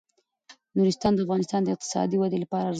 نورستان د افغانستان د اقتصادي ودې لپاره ارزښت لري.